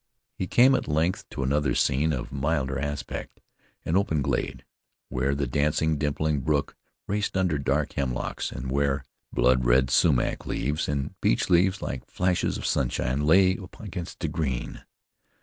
He came at length to another scene of milder aspect. An open glade where the dancing, dimpling brook raced under dark hemlocks, and where blood red sumach leaves, and beech leaves like flashes of sunshine, lay against the green.